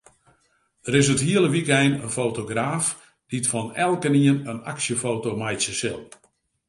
Der is it hiele wykein in fotograaf dy't fan elkenien in aksjefoto meitsje sil.